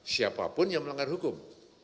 siapapun yang melanggar hukum